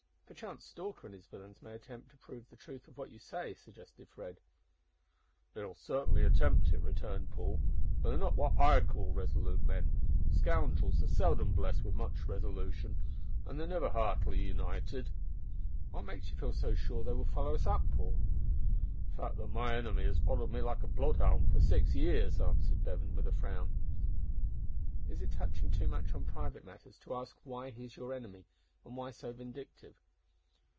"Perchance Stalker and his villains may attempt to prove the truth of what you say," suggested Fred. "They will certainly attempt it" returned Paul, "but they are not what I call resolute men. Scoundrels are seldom blessed wi' much resolution, an' they're never heartily united." "What makes you feel so sure that they will follow us up, Paul?" "The fact that my enemy has followed me like a bloodhound for six years," answered Bevan, with a frown. "Is it touching too much on private matters to ask why he is your enemy, and why so vindictive?"